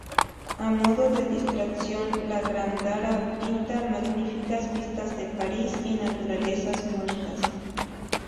A modo de distracción, La Gándara pinta magníficas vistas de París y naturalezas muertas.